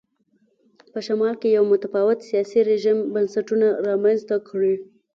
په شمال کې یو متفاوت سیاسي رژیم بنسټونه رامنځته کړي.